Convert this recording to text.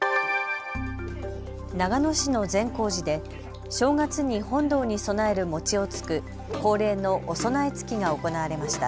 長野市の善光寺で正月に本堂に供える餅をつく、恒例のおそなえつきが行われました。